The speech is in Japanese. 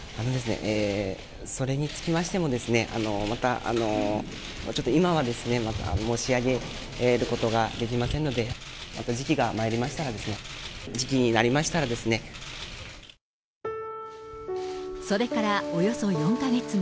それにつきましてもですね、また、ちょっと今はですね、申し上げることができませんので、時機がまいりましたら、それからおよそ４か月後。